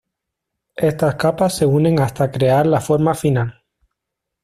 Estas capas se unen hasta crear la forma final.